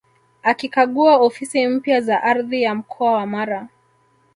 Akikagua ofisi mpya za Ardhi ya mkoa wa Mara